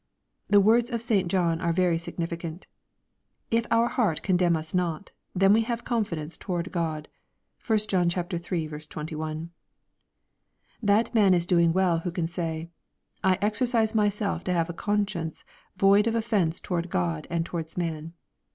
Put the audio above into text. The words of St. John are very significant :" If our heart condemn us not, then have we confidence toward God." (1 John iii. 21.) That man is doing well who can say, "I exercise myself to have a conscience void of offence toward God and toward man."